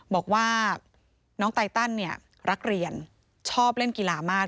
บอกว่าน้องไตตันเนี่ยรักเรียนชอบเล่นกีฬามาก